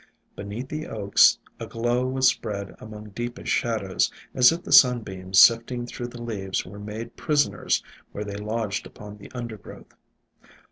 Beneath the Oaks a glow was spread among deepest shadows, as if the sunbeams sifting through the leaves were made prisoners where they lodged upon the undergrowth.